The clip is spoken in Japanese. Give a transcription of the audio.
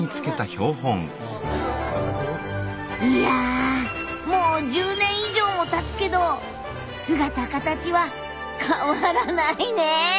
いやもう１０年以上もたつけど姿形は変わらないね。